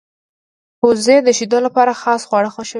وزې د شیدو لپاره خاص خواړه خوښوي